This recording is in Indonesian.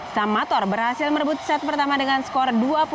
samator berhasil merebut set pertama dengan skor dua puluh lima dua puluh satu